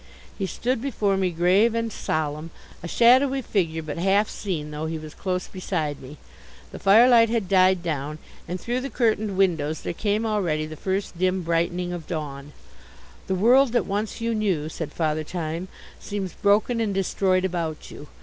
He stood before me grave and solemn, a shadowy figure but half seen though he was close beside me. The fire light had died down, and through the curtained windows there came already the first dim brightening of dawn. "The world that once you knew," said Father Time, "seems broken and destroyed about you.